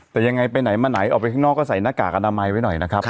แต่ยังไงไปไหนมาไหนออกไปข้างนอกก็ใส่หน้ากากอนามัยไว้หน่อยนะครับ